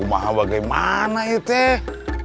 ah gimana ya teh